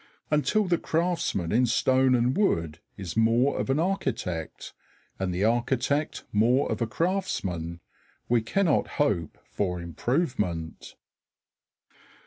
Until the craftsman in stone and wood is more of an architect, and the architect more of a craftsman, we cannot hope for improvement.